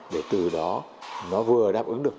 để từ đó nó vừa đáp ứng được